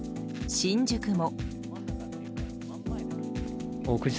新宿も。